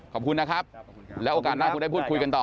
ขอบคุณนะครับแล้วโอกาสหน้าคงได้พูดคุยกันต่อ